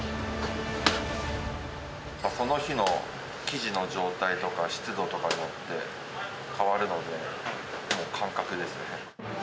その日の生地の状態とか湿度とかによって変わるので、もう感覚ですね。